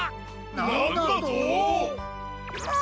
なんだとっ！？